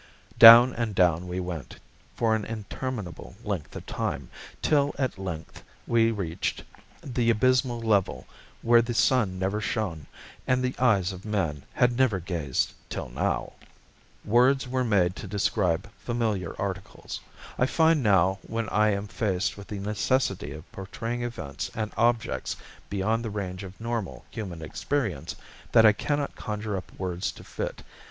Down and down we went, for an interminable length of time till at length we reached the abysmal level where the sun never shone and the eyes of man had never gazed till now. Words were made to describe familiar articles. I find now when I am faced with the necessity of portraying events and objects beyond the range of normal human experience that I cannot conjure up words to fit.